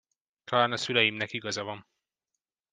Talán a szüleimnek igaza van.